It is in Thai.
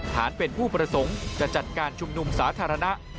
ฐานเป็นผู้ประสงค์จะจัดการชุมนุมสาธารณะ